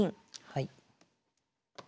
はい。